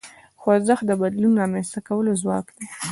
خوځښت د بدلون رامنځته کولو ځواک دی.